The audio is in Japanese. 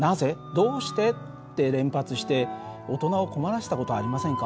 「どうして？」って連発して大人を困らせた事ありませんか？